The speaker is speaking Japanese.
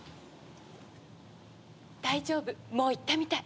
大丈夫もう行ったみたい。